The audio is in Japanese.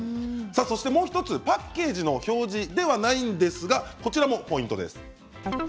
そしてもう１つパッケージの表示ではないんですがこちらもポイントです。